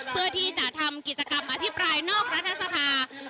เพื่อที่จะทำกิจกรรมอภิปรายนอกรัฐสภา